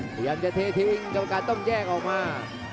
พยายามจะเททีวิ่งจำการต้องแยกออกมา